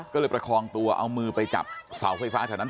ก็เลยประคองตัวเอามือไปจับเสาไฟฟ้าแถวนั้น